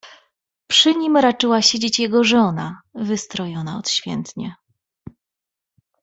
"Przy nim raczyła siedzieć jego żona, wystrojona odświętnie."